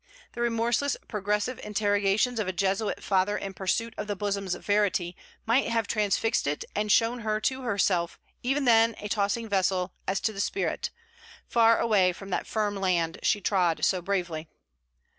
The remorseless progressive interrogations of a Jesuit Father in pursuit of the bosom's verity might have transfixed it and shown her to herself even then a tossing vessel as to the spirit, far away from that firm land she trod so bravely.